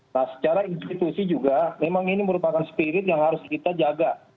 nah secara institusi juga memang ini merupakan spirit yang harus kita jaga